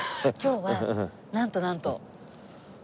今日はなんとなんと。